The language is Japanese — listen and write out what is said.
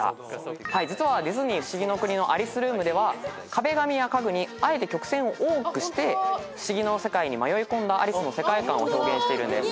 はい実はディズニーふしぎの国のアリスルームでは壁紙や家具にあえて曲線を多くして不思議の世界に迷い込んだアリスの世界観を表現しているんです。